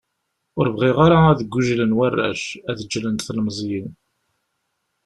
Ur bɣiɣ ara ad gujlen warrac, ad ǧǧlent telmeẓyin.